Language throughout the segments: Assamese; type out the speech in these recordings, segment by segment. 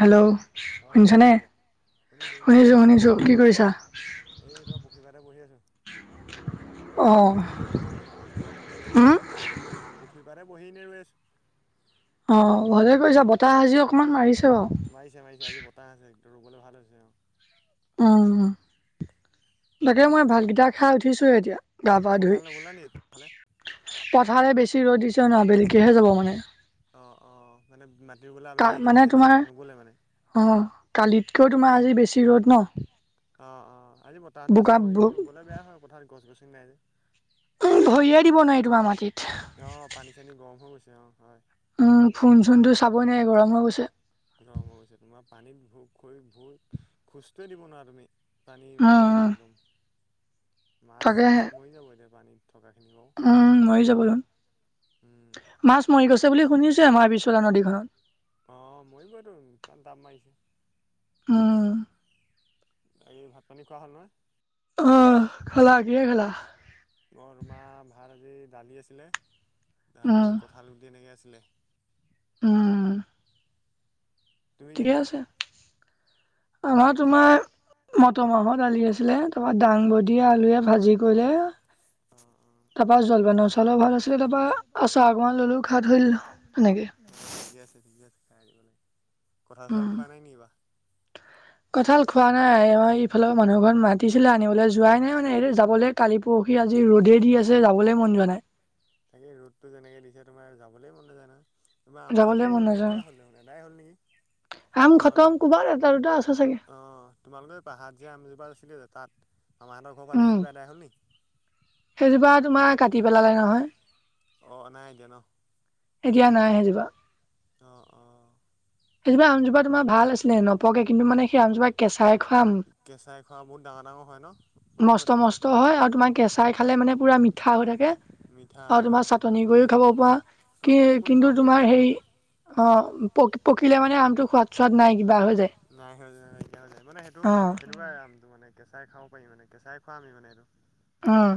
হেল্ল' শুনিছানে শুনিছোঁ শুনিছোঁ কি কৰিছা? এই পুখুৰীতে বহি আছোঁ গৰম নিছো নাই কেনে বহছে পুখী পাতে বহি চাই পুখুৰী একবাৰে বহি এনে ৰৈ আছোঁ। অ ভালে কৈছা বতাহ আজি অকনমান মাৰিছে মাৰিছে মাৰিছে আজি বতাহ আছে ৰুবলৈ ভাল হৈছে অহ। তাকে মই ভালকেইটা খাই উঠিছোয়ে এতিয়া গা পা ধুই। চাৰে বেছি ৰৈ দিছে নহ বেলিকৈহে যাব মানে। অ অ মানে। কা মানে তোমাৰ অ কালিতকৈও তোমাৰ আজি বেছি ৰ'দ ন আজি বতাহো আছে বাৰু কিন্তু ৰুবলৈ বেয়া হয় পথাৰত গছ গছনি নাই যে ভৰিয়ে দিব নোৱাৰি তোমাৰ মাটিত অ পানী চানী গৰম হৈ গৈছে অ হয় উম ফোন চোন টো চাবই নাই গৰমই গৈছে ৰৰম অশ তোমাৰ পানীত ভোক খ ভোক খোজ কঢুৱে দিব নোৱাৰা তুমি। পানী গৰম একদম মাছ চাছ মৰি যাব এতিয়া পানীত। উম মৰি যাব হোন মাছ মৰি গৈছে বুলি শুনিছোঁ। আমাৰ বিশ্বনাথ নদীখন অ মইয়ো বাৰু ইমান দাম মাৰিছে। উম হ ভাত পানী খোৱা হ'ল নহয় অহ খালা কিহে খালা? মোৰ মা ভাত আজি দালি আছিলে দালি কঁঠাল গুটি এনেকে আছিল- [unintelligible] উম- তুমি কিহে খালা? মই তোমাৰ- মটৰ মাহত দালি আছিলে তাৰপৰা দাং-বডি, আলু'ৱে ভাজি কৰিলে। অ [unintelligible] কঁঠাল চঠাল খোৱা নাই নেকি বা? খোৱা নাই ইফালৰ মানুহ ঘৰত মাতিছিলে আনিবলৈ যোৱাই নাই মানে এইটো যাবলৈ কালি পৰহি আজি ৰ'দ- দি আছে যাবলৈ মন যোৱা নাই- তাকে ৰ'দটো যেনেকে দিছে তোমাৰ যাবলে মন নাযায় ন। তাৰ আম চামো নাইকিয়া হ'ল এদাই হ'ল নেকি তোমালোকক! অ তোমালোকে পাহাৰ যে আমজোপা আছিলে তাত- আমাহঁতৰ ঘৰ ফালে সেইজোপা এদাই হ'ল নেকি? কাটি পেলালে নহয়- অ নাই এতিয়া ন? এতিয়া নাই হেই জোপা। অ, অ, - সেইজপা আমজোপা তোমাৰ ভাল আছিলে নপকে কিন্তু মানে সেই আমজোপা কেঁচাই খুৱা আম। হয় বহু ডাঙৰ, ডাঙৰ হয় ন? মষ্ঠ মষ্ঠ হয় আৰু তোমাৰ কেঁচাই খালে মানে পুৰা মিঠা হৈ থাকে- আৰু তোমাৰ চাটনি কৰিও খাব পৰা কি কিন্তু তোমাৰ সেই- অ প পকিলে মানে আমতো টোৰ সোৱাদ চোৱাদ নাই কিবা হৈ যায়। অ কিন্তু মানে কেঁচাই খাব পাৰি মানে কেঁচাই খোৱা আম মানে এইটো। আহ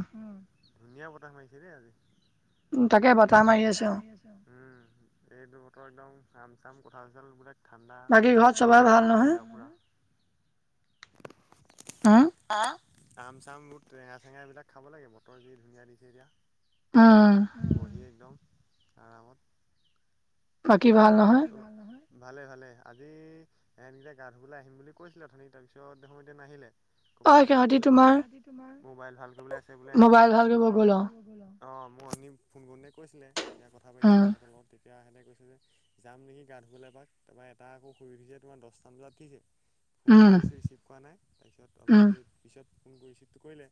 ধুনীয়া বতাহ মাৰিছে দেই আজি। তাকে বটাহ মাৰি আছে এইটো বতৰ একদম চাম কথাল চথাল বোলে ঠাণ্ডা সেইবিলাক খাব লাগে আৰু পোৰা। আহ আম চাম বোৰ টেঙা চেঙা এইবিলাক খাব লাগে বতৰ যি ধুনীয়া দিছে এতিয়া। উম বহি একদম আৰাম'ত বাকী ভাল নহয়? ভালে ভালে আজি এহেত কেইটা গা ধুবলৈ আহিম বুলি কৈছিলে অথনি, তাৰপিছত দেখোন এতিয়া নাহিলে। ক'বাত যায় বোলে যোৱা, ঐ তহঁতি তোমাৰ মোবাইল ভাল কৰিবলে আছে বোলে এহেতৰ মোবাইল ভাল কৰিব গ'ল আৰু অহ মই আঠনি ফোন কৰোতে কৈছিলে বেয়া কথা কৈছিলে হেটৰ লগত। এতিয়া হেতে কৈছে যে, যাম নেকি গা ধুবলৈ এপাক তাৰপৰা এটা আকৌ শুই উঠিছে তোমাৰ দহটামান বজাত উঠিছে। ফোন কৰি আছো ৰিচিভ কৰা নাই তাৰপিছত অলপ দেৰি পিছত- ফোন কৰিছ তোক কলে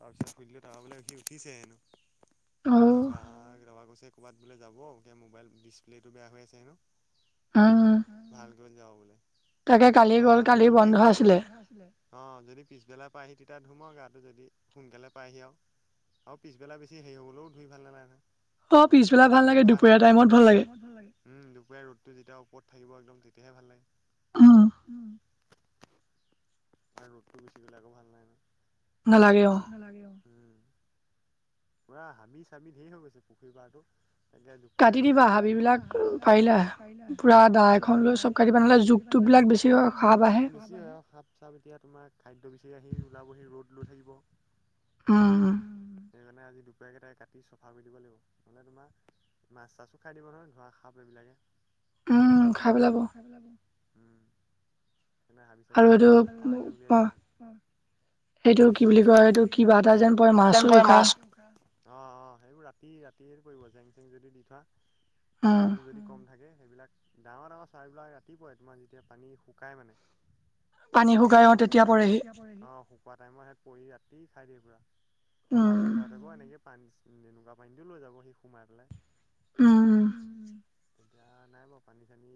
তাৰ পিছত সুধিলো, বলে সি উঠিছে হেনো। তাৰপৰা ৰবা কৈছে ক'ৰবাত বোলে যাব এ মোবাইল ডিচপ্লেটো বেয়া হৈ আছে হেনো। ভাল কৈ যাব বোলে। অহা মেলাল দৰি হ'ব যদি অ যদি পিছবেলাৰ পৰা আহি তেতিয়া- ধুম আৰু গাটো যদি সোনকালে পায়হি আৰু পিছবেলা বেছি হেৰি হ'বলৈও ধুই ভাল নালাগে নহই অ পিছবেলা ভাল লাগে দুপৰীয়া টাইমত ভাল লাগে- উম দুপৰীয়া ৰ'দটো যেতিয়া ওপৰত থাকিব একদম তেতিয়াহে ভাল লাগে। ৰদ বেছি দিলে ভাল নাই ন। নালাগে অঃ - পোৰা হাবি চাবি ধেৰ হৈ গৈছে পুখুৰীৰ পাৰটো এতিয়া দুপৰীয়া আজি কাটিব লাগিব। কাটি দিবা হাবিবিলাক পাৰিলে পুৰা দা এখন লৈ চব কাটি পেলায় জোক তোক বিলাক বেছি হয় বেছি হয় অ হাপ চাপ এতিয়া তোমাৰ খাদ্য বিচাৰি আহি ওলাবহি ৰ'দ লৈ থাকিব উম সেইকাৰণে আজি দুপৰকেইটাই কাটি চফা কৰি দিব লাগিব নহ'লে তোমাৰ- মাছ চাছো খাই দিব নহয় ধৰা খাপ এইবিলাকে। উম খাই দিব তো। সনে হাবি চাবি কাটি চে উলিয়াই দিম আৰু এইটো কি বুলি কয় এইটো কিবা এটা মাজনিশা অহ অহ সেইবোৰ ৰাতি ৰাতিয়ে কৰিব জেং চেং যদি দি থোৱা পানীও যদি কম থাকে। সেইবিলাক ডাঙৰ ডাঙৰ চৰাইবিলাক ৰাতিপুৱাই তোমাৰ যেতিয়া পানী শুকাই মানে। অ শুকাই টাইম স পৰি ৰাতি খাই দিয়ে পুৰ [unintelligible] আৰু মাছৰুকা এনেকে পানী তেনেকুৱা পানীটো লৈ যাব সি সোমাই পেলাই। উম আৰু তেতিয়া নাই বাৰু পানী চানী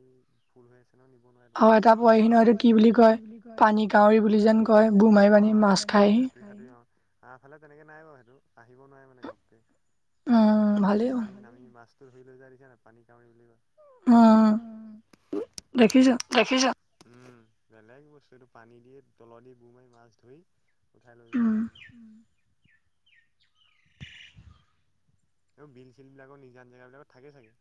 ফুল হৈ আছে তখিনিটো কি বুলি। [unintelligible] পানী কাউৰী বুলি যেন কয় বোমাই পানী মাছ খায়হি। অহ আহফালে তেনেকে নাই বাৰু সেইটো আহিব নোৱাৰে মানে ঘপকে- উম পানীত নামি মাছটো ধৰি লৈ যায় দেখিচা নাই পানী কাউৰী বুলি কয়। উম দেখিছো উম বেলেগ বস্তু এইটো পানী দি তলত দি বোমাৰি মাছ ধৰি উঠাই লৈ যাব পাৰি নো উম এই বিল চিল বিলাকৰ নিজান জেগা বিলাকত থাকে চাগে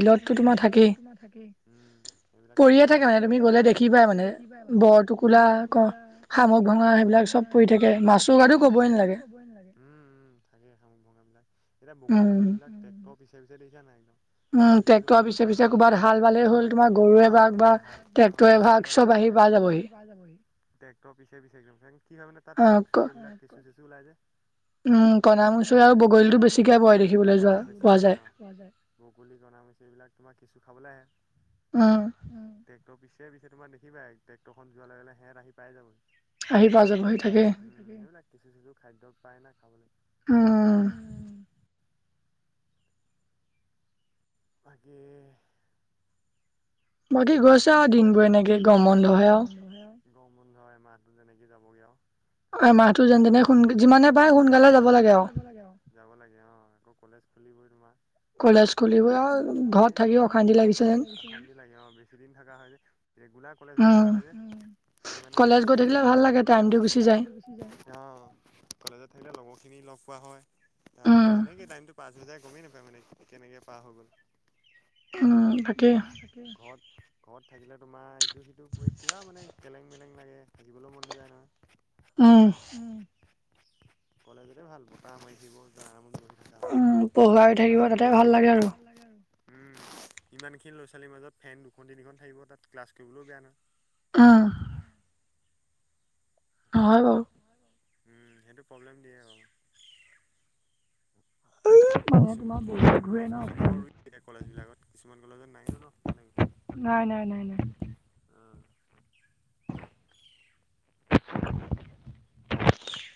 থাকে থাকে বিলতো তোমাৰ থাকেই থাকে উম এইবিলাক জেগা মানে পৰিযে তুমি গলে দে বৰটোকোলা ক শামুক, ভঙা সেইবিলাক চব পৰি থাকে মাছোৰুকা কবই নালাগে। কবই নালাগে উম থাকে শামুক ভঙা বিলাক এতিয়া বগলী চগলী বিলাক টেক্টৰ পিছে পিছে দেখিচা নাই একদম উম ট্ৰেক্টৰ পিছে পিছে ক'ৰবাত হাল বালে হল তোমাৰ গৰুৰে ভাওক বা ট্ৰেক্টৰে ভাওক চব আহি। চব আহি পাইযাব হি টেক্টৰ পিছে পিছে একদম তাত পোক চোক এইবিলাক কেচু চেচু ওলাই যে। উম ক উম কণামুছৰি আৰু বগৰীতটো বেছিকে পোৱা যায়। কুলি, কণামুছৰি এইবিলাক তোমাৰ কেঁচু খাবলে আহে- অহ ত পিছে পিছে তোম দেখিবা ট্ৰেক্টৰ খন যোৱাৰ লগে হেহত আহি পাই যাব। আহি পাই যাবহি থিকেই নাই কিছু কিছু খাদ্য পায় না খাবলৈ অহ। বাকী - বাকী গৈছে আৰু দিনবোৰ এনেকে গৰম বন্ধ হে আৰু গৰম বন্ধ হে মাহতো এনেকে যাবগে আৰু- অ তাপা আকৌ এই মাহটো যেনে তেনে যিমানে পাৰে সোনকালে যাব লাগে যাব লাগে অ আকৌ কলেজ খুলিবই তোমাৰ কলেজ খুলিবই আৰু ঘৰত থাকি অখানতি লাগে অখানতি লাগে অ ছুটি থকা হয় ৰেগুলাৰ কলেজ গৈ থকা হয় যে সেইটো মানে বেয়া লাগে- হেতেতোগুচি যায় অহ কথাতোথাকিলে লগৰ খিনি লগ পোৱা হয় তোমাৰ তেনেকেই টাই- পাঁচ বজাৰই গমেই নাপায় মানে কেনেকে পাৰ হৈ গল ঘৰত ঘৰত থাকিলে তোমাৰ ইটো সিটো কিবা মানে কেলেং মেলেং লাগে থাকিবলৈও মন নাযায় নহয়। উম কলেজতে ভাল বতাহ, মাৰি থাকিব আৰাম ব উম পঢ়াই হৈ থাকিব তাতে ভাল লাগে আৰু উম ইমান খিনি ল'ৰা ছোৱালীৰ মাজত ফেন দুখন তিনিখন থাকিব তাত ক্লাছ কৰিবলৈও বেয়া নহয়। উম হয়। বাও উম সেইটো প্ৰব্লেম দিয়ে অহ আৰু কিছুমান গছ গছনিব ৰুই এতিয়া। কলেজবিলাকত কিছুমান কলেজত নাইও ন তেনেকে নাই নাই নাই। উম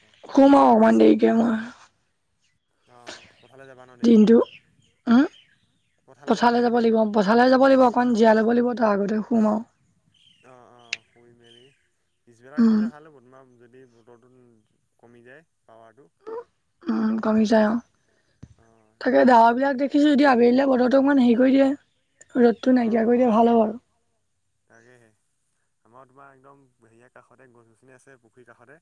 তাকে কিয়, অ'হ পথালে যাবা ন দেৰিকে? পথাৰলে যাব লাগিব, পথাৰলে যাব লাগিব, অকন জিৰাই ল'ব লাগিব তাৰ আগতে শুম আৰু। অহ অহ শুই মেলি, পিছবেলা ৰুবলৈ ভাল হ'ব তোমাৰ যদি এই বতৰটো কমি যায় পাৱাৰ তো উম' কমি যায় অহ' তাকে ডাৱৰ বিলাক দেখিছো যদি আবেলিলে বতৰ এইতো অকমান হেৰি কৰি দিয়ে, ৰ'দটো নাইকিয়া কৰি দিয়ে ভাল হ'ব আৰু তাকেহে আমাৰ তোমাৰ একদম হেৰিয়াৰ কাষতে, গছ-গছনি আছে পুখুৰীৰ কাষতে।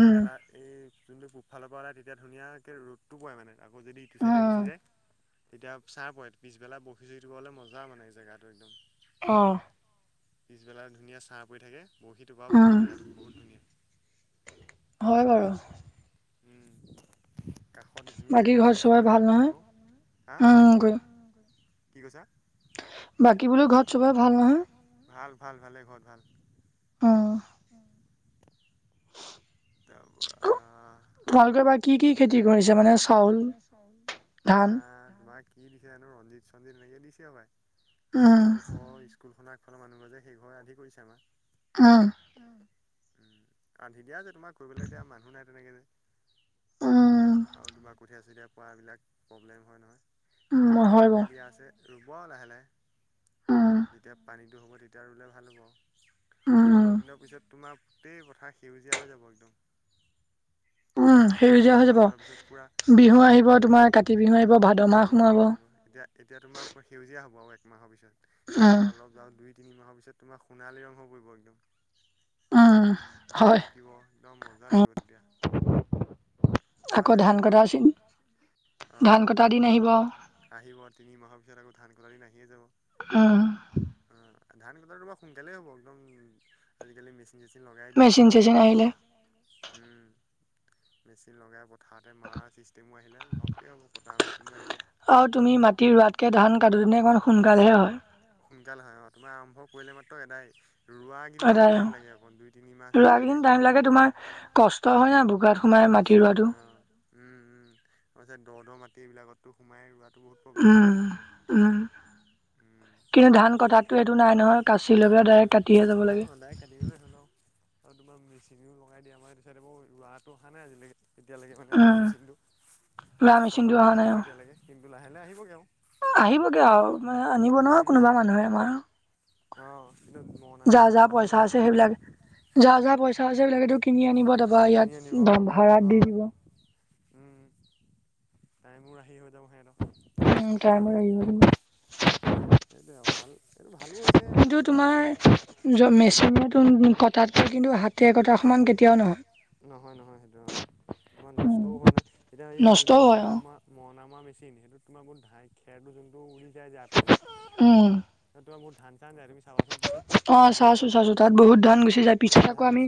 তোমাৰ এটা এই যোনটো ফালৰ পৰা ওলাই তেতিয়া ধুনীয়াকে ৰ'দতটো পৱে মানে, আকৌ যদি ইটো চাইডে গুচি যায় তেতিয়া চা পৰে, পিছবেলা বৰশী-চৰশী টোপাবলে মজা মানে জেগাটো একদম। অহ' পিছবেলা ধুনীয়া চা পৰি থাকে। বৰশীটোপাবা আৰু জেগাটো বহুত ধুনীয়া। উম' কাষত ধুনীয়াকে গছ-চছ ৰুই ল'বা তোমালোকেও, হা' কি কৈছা? বাকী বোলোঁ ঘৰত চবৰেই ভাল নহয়? ভাল ভালে ঘৰত ভাল? তাৰপাহ তোমালকে বা কি তোমালোকে এইবাৰ কি কি খেতি কৰিছে মানে, চাউল আমা কি দিছে জানোঁ ৰঞ্জিত চঞ্জিত এনেকে দিছে হবাই, এই আমাৰ ওচৰৰ স্কুল খন ফালৰ মানুহ ঘৰ যে, সেই ঘৰে আধি কৰিছে আমাৰ। উম' উম আধি দিয়া যে তোমাক কৰিবলে এতিয়া মানুহ নাই তেনেকে যে। আৰু তোমাৰ কঠীয়া-চঠীয়া পোৱা এইবিলাক প্ৰব্লেম হয় নহয়। সেইটো কাৰণে সিহঁতকে দিয়া আছে, ৰুব আৰু লাহে-লাহে। যেতিয়া পানীটো হ'ব তেতিয়া ৰুলে ভাল হ'ব। আৰু অলপ দিনৰ পিছত তোমাৰ গোটেই পথাৰ সেউজীয়া হৈ যাব একদম। [inaudible] তাৰ পিছত আৰু দুমাহ মানৰ পিছত পুৰা, বিহু আহিব তোমাৰ, অ' কাতি বিহু আহিব এতিয়া এতিয়া তোমাৰ পুৰা সেউজীয়া হ'ব আৰু। এক মাহৰ পিছত, তাৰ অলপ আও দুই- তিনিমাহৰ পিছত তোমাৰ সোণালী ৰং হৈ পৰিব একদম। ধান পকিব একদম মজা লাগিব তেতিয়া। আমাৰ চাইটো, আক ধান কটা আছে নহয়। অ', ধান কটাদিন আহিব, আহিব তিনি মাহৰ পিছত আকৌ ধান কটাদিন আহিয়ে যাব। উম'। ধান কটাতো বাৰু সোনকালেই হ'ব, একদম আজিকালি মেচিন-চেচিন লগাই দিয়ে মানুহে। উম' মেচিন লগাই পথাৰতে মৰা চিষ্টেমো আহিলে, ঘপকে হ'ব কটা মেচিন অ' তুমি মাটি ৰুৱাতকে ধান কাটো তেনে অকমান সোনকালহে হয়। সোনকালে হয় অ' তোমাৰ আৰম্ভ কৰিলে মাত্ৰ এদায়ে। ৰোৱা কিদিনহে টাইম লাগে অকল, দুই তিনি মাহ যেন লাগে। কষ্ট হয় ন' বোকাত সোমাই মাটি ৰুৱাটো। উম' উম তাৰপিছত দ' দ' মাটি বিলাকতো সোমাই ৰোৱাটো বহুত প্ৰব্লেম। কিন্তু ধান কটাতটো এইটো নাই নহয়, কাচি লগাই ডাইৰেক্ট কাটি অ দাইৰেক কাটি গ'লে হ'ল আৰু আৰু তোমাৰ মি টিভিও লগাই দিয়ে, আমাৰ ইটোচাইদে বাও লৰাটো অহা নাই আজিলৈকে। এতিয়ালৈকে মানে ৰোৱা মেচিনটো, কটাটোও অহা নাই বাৰু এতিয়ালৈকে, কিন্তু লাহে-লাহে আহিবগে আৰু। আহিবগে আৰু আনিব নোৱা কোনোবা মানুহে আমাৰ আহ কিন্তু মৰণা চৰণা মৰা সেইটো আহিলে আও। যা যা পইচা হৈছে সেইবিলাকেটো কিনি আনিব তাৰপা ইয়াত ভ়াড়াত দি দিব। উম টাইমোৰ আহি হৈ যাব হেতক। উম টাইমো লাগিব। এই দেয়াও ভাল এই ভাল। কিন্তু তোমাৰ য মেচিনেতুন কটাতকে কিন্তু হাতেৰে কটা সমান কেতি- কিয় নহয়? নহয় নহয় সেইটো অ তোমাৰ নষ্টও হয় নহয়? এতিয়া এই যোনটো মনা ময়া মন নামা মেচিন সেইটোত তোমাৰ বুন ধাই খেৰটো যোনটো উৰি যায় যায় যে আতৰলে। উম। তোমাৰ মোৰ ধান চান দাই দিবি চু। অ চাইছো- চাইছো তাত বহুত ধান গুচি যায় পিছত আকৌ আমি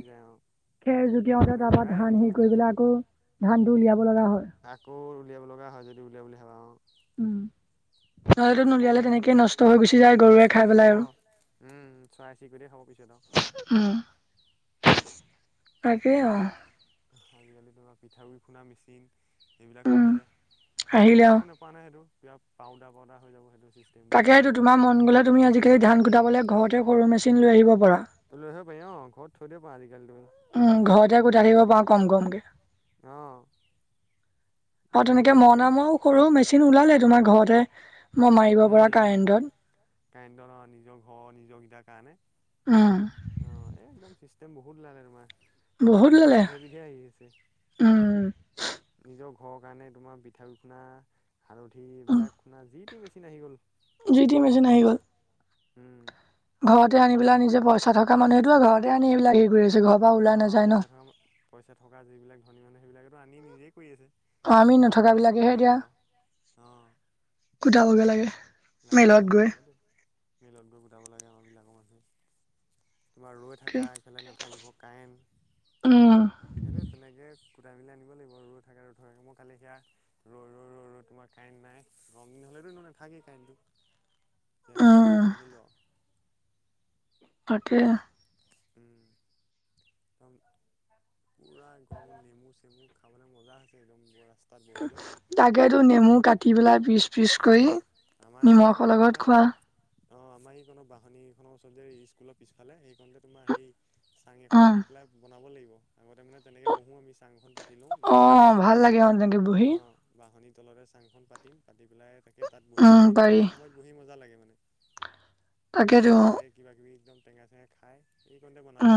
খেৰ জুকিয়াওঁতে তাৰপাত ধান হেৰি কৰি পেলাই আকৌ ধানটো উলিয়াব লগা হয়। আকৌ উলিয়াব লগা হয় যদি উলিয়া বুলি ভাবা অ। নহলেটো নুলিয়ালে তেনেকেই নষ্ট হৈ গুচি যায় গৰুৱে খাই পেলাই আৰু। উম চৰাই- চিৰিকটিয়ে খাব পিছদও। উমহ। তাকে অ। আজিকালিটো পিঠাগুৰি খুনা মেচিন সেইবিলাকো আহিলে সেই টেষ্টটো নাপাও নহয় সেইটো কিবা পাউদা পাউদা হৈ যাব সেইটো। তাকে সেইটো তোমাৰ মন গলে তুমি আজিকালি ধান কোটাবলৈ ঘৰতে সৰু মেচিন লৈ আহিব পাৰা। পেইঅঁ ঘৰত থৈ দিয় পা আজি। উম ঘৰতে কোটাই থাকিব পাওঁ কম কমকে। অ তেনেকে মৰণা মৱাও‌ সৰু মেচিন ওলালে তোমাৰ। ঘৰতে মই মাৰিব পৰা কাৰেণ্টত। কাৰেন্টত অ নিজৰ ঘৰ নিজগিটাৰ কাৰণে, অ এ একদম চিচ টেম বহুত উলালে তোমাৰ। চব বিধে বিধে আহি আছে, নিজ ঘৰৰ কাৰণে তোমাৰ পিঠাগু খুনা হালধি এইবিলাক খুনা যি জি তি মেচিন আহি গ'ল। উম। ঘৰতে আনি পেলা নিজে পইচা থকা মানুহেতো আ ঘৰতে আনি এইবিলাক হেয়ি কৰি আছে ঘৰৰ পৰা ওলাই নাযায় ন। পইচা থকা যিবিলাক ধনী মানুহ সেইবিলাকেটো আনি নিজেই অ আমি নথকা বিলাকেহে এতিয়া কোটাবগে লাগে লাগে অ মিলত গৈ গোটাব লাগে আমাবিলাক মানুহে। [inaudible] তোমাৰ ৰৈ থকা এফালে নাথাকিব কাৰেণ্ট সেইটোৱে তেনেকে ফুটা মেলি আনিব লাগিব ৰৈ থাকা ৰৈ থাকা মই কালি সেয়া ৰৈ ৰৈ ৰৈ ৰৈ তোমাৰ কাৰেণ্ট নাই সেটো এনেও নাথাকেই কায়েনটো যেন তেনে কোটাই আনিলো আও। তাকেহে। উম। একদম পুৰা গৰমত নেমু চেমু খাবলে মজা হৈছে একদম বৰা। তাকেতো নেমু কাটি পেলাই পিচ- পিচ কৰি নিমখৰ লগত খোৱা। অ আমাৰ এইখন বাহনীখন ওচৰত যে স্কুল পিছফালে সেইখন যে তোমা সেয়ি চাং এখন দি পেলাই বনাব লাগিব। আগতে মানে তেনেকে বহো আমি চাংখন পাতি লওঁ বাঁহনী আছে অ বাঁহনী। তলতে চাং এখন পাতিম, পাতি পেলাই তাকে তাত বহি পেলাই এই দুপৰীয়া সময়ত বহি মজা লাগে। তাপা তাতে কিবা -কিবি একদম টেঙা -চেঙা খাই এই কণতে বনাব লাগে।